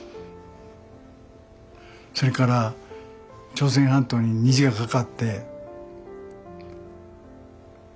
それから朝鮮半島に虹がかかって。